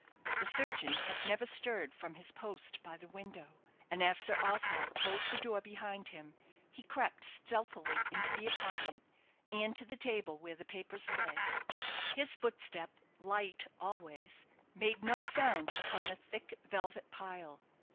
The surgeon had never stirred from his post by the window; and as Sir Oswald closed the door behind him, he crept stealthily into the apartment, and to the table where the papers lay. His footstep, light always, made no sound upon the thick velvet pile.